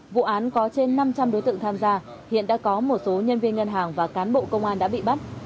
vụ án có trên năm trăm linh đối tượng tham gia hiện đã có một số nhân viên ngân hàng và cán bộ công an đã bị bắt